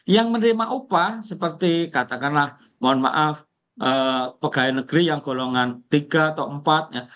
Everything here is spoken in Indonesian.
yang menerima upah seperti katakanlah mohon maaf pegawai negeri yang golongan tiga atau empat ya